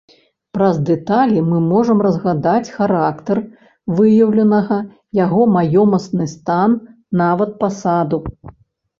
Праз дэталі мы можам разгадаць характар выяўленага, яго маёмасны стан, нават пасаду.